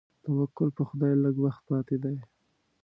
توکل په خدای لږ وخت پاتې دی.